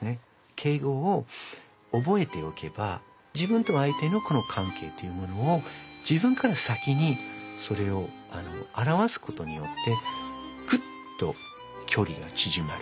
敬語をおぼえておけば自分と相手のこのかんけいというものを自分から先にそれをあらわすことによってクッと距離が縮まる。